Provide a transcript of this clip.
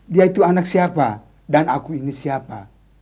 dia itu anak siapa dan aku ini siapa